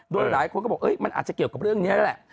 โดยหลายคนก็บอกมันอาจจะเกี่ยวกับเรื่องนี้แหละ